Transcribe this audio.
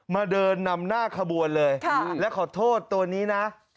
มาเดินนำหน้าขบวนเลยและขอโทษตัวนี้นะ